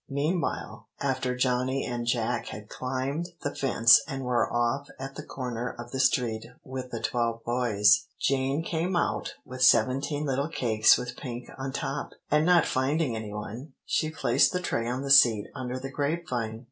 Meanwhile, after Johnny and Jack had climbed the fence and were off at the corner of the street with the twelve boys, Jane came out with seventeen little cakes with pink on top, and not finding any one, she placed the tray on the seat under the grape vine.